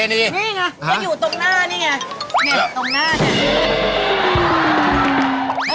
นี่ไงมันอยู่ตรงหน้านี่ไงตรงหน้าเนี่ย